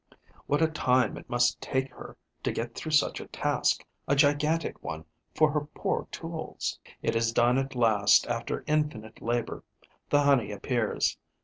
What a time it must take her to get through such a task, a gigantic one for her poor tools! It is done at last, after infinite labour. The honey appears.